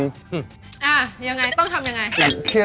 ยังไงต้องทำยังไง